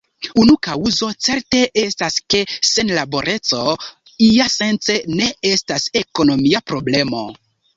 Unu kaŭzo certe estas, ke senlaboreco iasence ne estas ekonomia problemo.